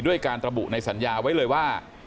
การระบุในสัญญาไว้เลยว่า